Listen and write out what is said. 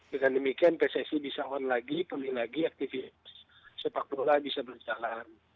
dan demikian pssi bisa on lagi penuhi lagi aktivitas sepak bola bisa berjalan